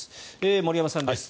森山さんです。